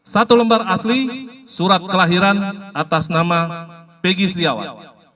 satu lembar asli surat kelahiran atas nama pg setiawan